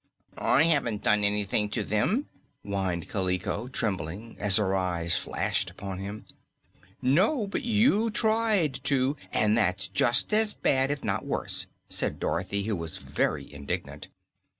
"I haven't done anything to them," whined Kaliko, trembling as her eyes flashed upon him. "No; but you tried to, an' that's just as bad, if not worse," said Dorothy, who was very indignant.